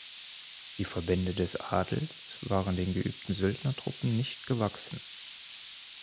Die Verbände des Adels waren den geübten Söldnertruppen nicht gewachsen.